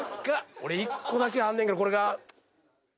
１個だけあんねんけどこれが。